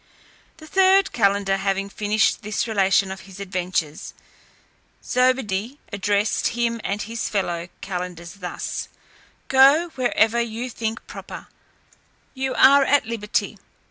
The third calender having finished this relation of his adventures, Zobeide addressed him and his fellow calenders thus: "Go wherever you think proper, you are at liberty."